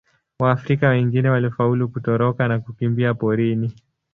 Waafrika wengine walifaulu kutoroka na kukimbia porini.